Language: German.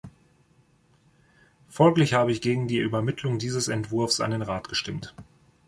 Folglich habe ich gegen die Übermittlung dieses Entwurfs an den Rat gestimmt.